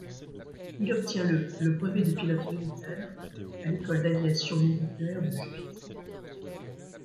Il obtient le le brevet de pilote militaire à l'école d'aviation militaire de Juvisy.